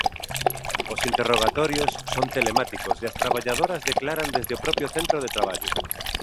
Os interrogatorios son telemáticos e as traballadoras declaran desde o propio centro de traballo.